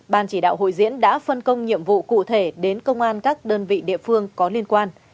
ban chỉ đạo hội diễn đã phân công nhiệm vụ cụ thể đến công an các đơn vị địa phương có liên quan